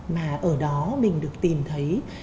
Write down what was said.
mà ở đó mình được tìm thấy